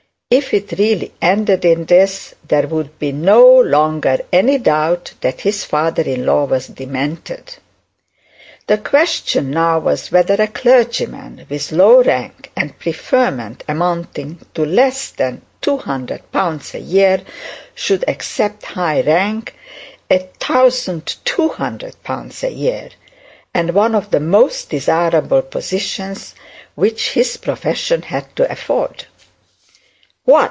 If it really ended in this, there would be no longer any doubt that his father in law was demented. The question now was whether a clergyman with low rank, and preferment amounting to less than 200 pounds a year, should accept high rank, 1200 pounds a year, and one of the most desirable positions which his profession had to afford! 'What!'